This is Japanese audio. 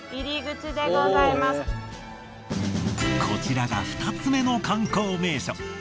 こちらが２つめの観光名所。